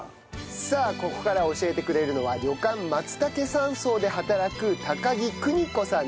さあここから教えてくれるのは旅館松茸山荘で働く高木邦子さんです。